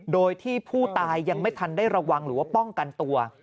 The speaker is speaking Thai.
โดยที่ผู้ตายยังไม่ทันได้ระวังหรือว่าป้องกันตัว